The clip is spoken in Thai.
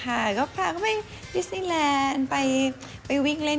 พาก็ไปบิสนิแลนด์ไปวิ่งเล่น